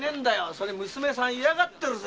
それに娘さん嫌がってるぜ。